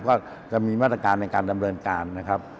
ก็จะมีมาตรการในการดำเนินการนะครับ